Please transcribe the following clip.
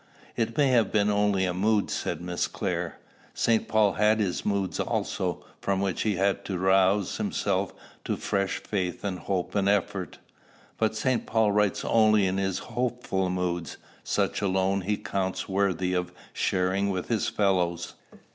_" "It may have been only a mood," said Miss Clare. "St. Paul had his moods also, from which he had to rouse himself to fresh faith and hope and effort." "But St. Paul writes only in his hopeful moods. Such alone he counts worthy of sharing with his fellows.